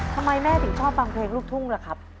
ทำไมแม่ถึงชอบฟังเพลงลูกทุ่งล่ะครับ